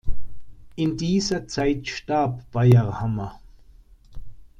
In dieser Zeit starb Bayrhammer.